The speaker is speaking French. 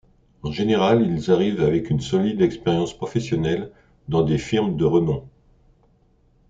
En général ils arrivent avec une solide expérience professionnelle dans des firmes de renom.